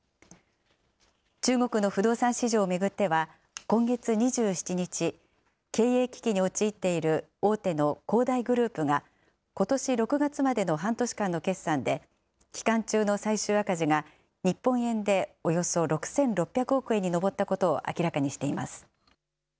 中国の不動産市場を巡っては、今月２７日、経営危機に陥っている大手の恒大グループが、ことし６月までの半年間の決算で、期間中の最終赤字が日本円でおよそ６６００億円に上ったことを明らかにしています。